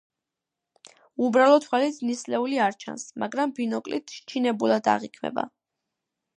უბრალო თვალით ნისლეული არ ჩანს, მაგრამ ბინოკლით ჩინებულად აღიქმება.